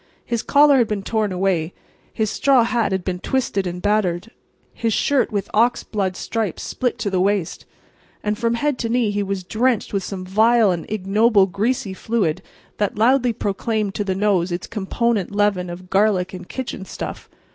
His collar had been torn away; his straw hat had been twisted and battered; his shirt with ox blood stripes split to the waist. And from head to knee he was drenched with some vile and ignoble greasy fluid that loudly proclaimed to the nose its component leaven of garlic and kitchen stuff.